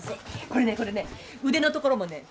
これねこれね腕のところもね